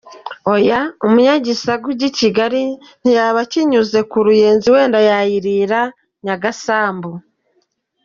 Oya, Umunyagisaka ajya I Kigali ntiyaba akinyuze ku Ruyenzi, wenda yayirira I Nyagasambu.